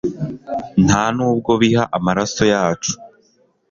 Ntanubwo biha amaraso yacu